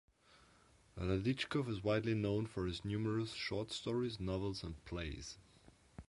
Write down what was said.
Radichkov is widely known for his numerous short stories, novels and plays.